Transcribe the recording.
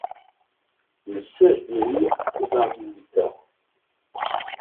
Nessazdeg iḍarren-nteɣ.